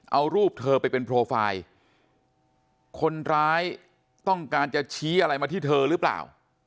เอารูปเธอไปเป็นโปรไฟล์คนร้ายต้องการจะชี้อะไรมาที่เธอหรือเปล่า